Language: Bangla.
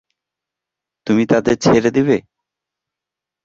তুমি তাদের ছেড়ে দিবে?